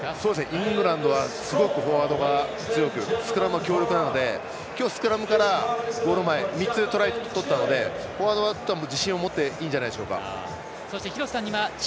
イングランドはすごくフォワードが強くてスクラムが強力なので今日、スクラムからゴール前、３つトライ取ったのでフォワードは自信を持っていいんじゃないでしょうか。